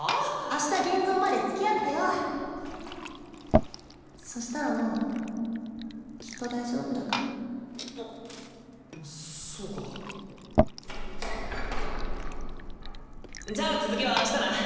明日現像までつきあってよそしたらもうきっと大丈夫だからそうかじゃあ続きは明日な